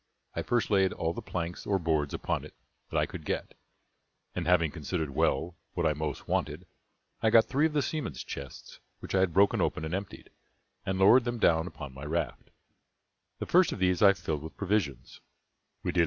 I first laid all the planks or boards upon it that I could get, and having considered well what I most wanted, I got three of the seamen's chests, which I had broken open, and emptied, and lowered them down upon my raft; the first of these I filled with provisions; viz.